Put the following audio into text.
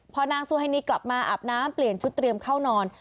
พอนางซูเฮนีกลับมาอาบน้ำเปลี่ยนชุดเตรียมเข้านอน